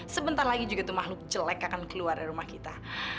sebentar lagi juga tuh makhluk jelek akan keluar dari rumah kita